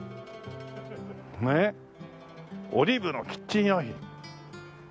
ねえ「オリーブのキッチン用品」。